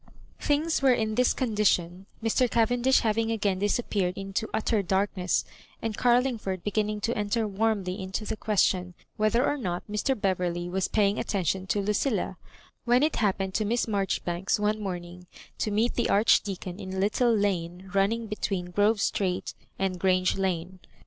Things were in this condition, Mr. Cavendish having again disappeared into utter darkness, and Carlingford beginning to enter warmly into the question, whether or not Mr. Beverley was paying attention to Lucilla, when it happened to Miss Maijoribanks one morning to meet the Archdeacon in a little lane running betweenGrove Street and Grange Lane.